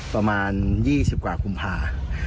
ประมาณ๒๐กว่ากุมภา